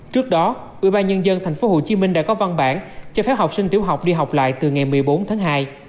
trước đó ubnd tp hcm đã có văn bản cho phép học sinh tiểu học đi học lại từ ngày một mươi bốn tháng hai